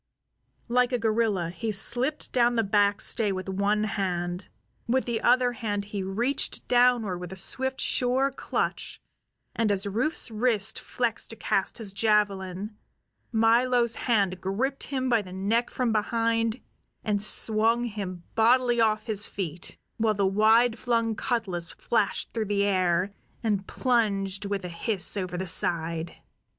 Like a gorilla he slipped down the backstay with one hand; with the other hand he reached downward with a swift, sure clutch, and as Rufe's wrist flexed to cast his javelin Milo's hand gripped him by the neck from behind and swung him bodily off his feet, while the wide flung cutlas flashed through the air and plunged with a hiss over the side.